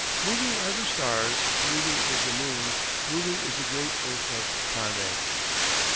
Moving are the stars, moving is the Moon, Moving is the great Earth of Kane."